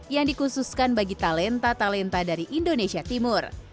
yang dikhususkan bagi talenta talenta dari indonesia timur